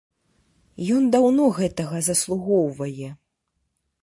Ён даўно гэтага заслугоўвае.